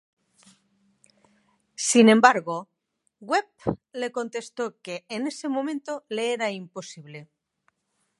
Sin embargo, Webb le contestó que en ese momento le era imposible.